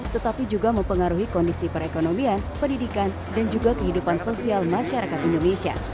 tetapi juga mempengaruhi kondisi perekonomian pendidikan dan juga kehidupan sosial masyarakat indonesia